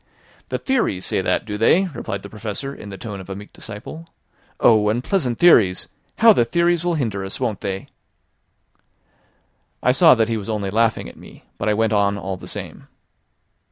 "The theories say that, do they?" replied the Professor in the tone of a meek disciple. "Oh! unpleasant theories! How the theories will hinder us, won't they?" I saw that he was only laughing at me; but I went on all the same.